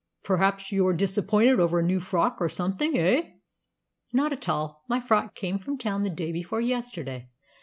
"Perhaps you're disappointed over a new frock or something, eh?" "Not at all. My frock came from town the day before yesterday.